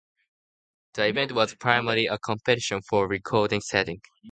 The event was primarily a competition for record setting.